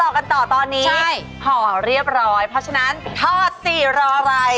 มาสมมุติกันต่อนี้เขาเหรียบร้อยเพราะฉะนั้นทอดสิรออะไร